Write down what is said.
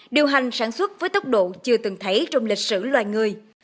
điều hành sản xuất với tốc độ chưa từng thấy trong lịch sử loài người